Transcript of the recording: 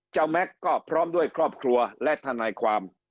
แม็กซ์ก็พร้อมด้วยครอบครัวและทนายความ